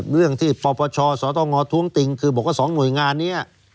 เรื่องที่ปปชสตงท้วงติงคือบอกว่า๒หน่วยงานนี้